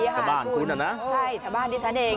ทะบานคุณอะนะใช่ทะบานที่ฉันเอง